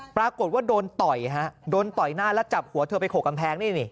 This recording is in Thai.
ปรากฏว่าโดนต่อยฮะโดนต่อยหน้าแล้วจับหัวเธอไปโขกกำแพงนี่นี่